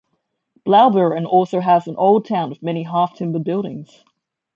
Blaubeuren also has an old town with many half-timbered buildings.